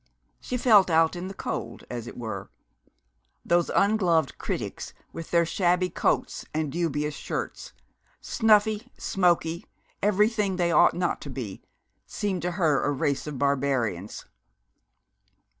She felt out in the cold, as it were. Those ungloved critics, with their shabby coats and dubious shirts, snuffy, smoky, everything they ought not to be, seemed to her a race of barbarians.